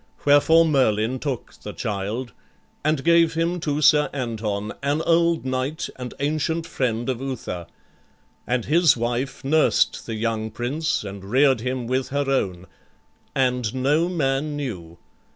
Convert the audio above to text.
Wherefore Merlin took the child, And gave him to Sir Anton, an old knight And ancient friend of Uther; and his wife Nursed the young prince, and rear'd him with her own; And no man knew.